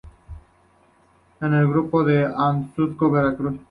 El grupo era de Huatusco, Ver.